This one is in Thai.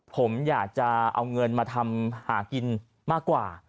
ผมอยากจะเอาเงินมาทำหากินมากกว่า